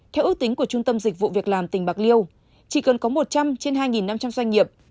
theo ước tính của trung tâm dịch vụ việc làm tỉnh bạc liêu chỉ cần có một trăm linh trên hai năm trăm linh doanh nghiệp